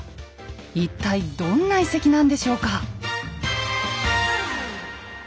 一体どんな遺跡なんでしょうか？